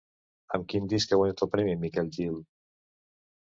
Amb quin disc ha guanyat el premi Miquel Gil?